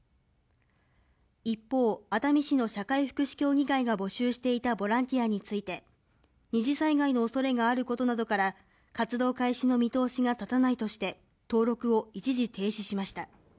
一方、熱海市の社会福祉協議会が募集していたボランティアについて、二次災害のおそれがあることなどから活動開始の見通しが立たないとして、登録を一時停止しました。